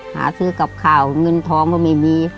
หาซื้อกับข้าวเงินทองก็ไม่มี